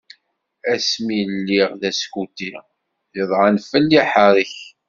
Asmi lliɣ d askuti, qeḍɛen fell-i aḥerrek.